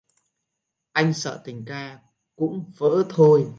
Anh sợ tình ta cũng vỡ thôi